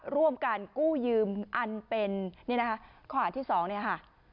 ร่วมกันกู้ยืมอันเป็นนี่นะฮะข้อหารที่๒นี่ฮะ